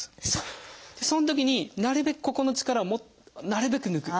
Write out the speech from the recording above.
そのときになるべくここの力をなるべく抜く。